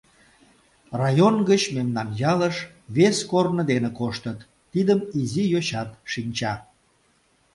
Район гыч мемнан ялыш вес корно дене коштыт, тидым изи йочат шинча.